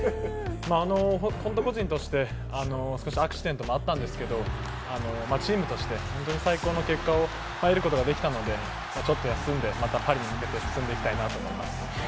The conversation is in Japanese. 僕、本当個人としてアクシデントもあったんですけれども、チームとして最高の結果を得ることができたので、ちょっと休んで、またパリに向けて進んでいきたいと思います。